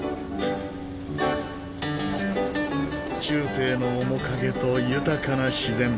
中世の面影と豊かな自然。